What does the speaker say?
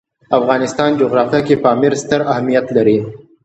د افغانستان جغرافیه کې پامیر ستر اهمیت لري.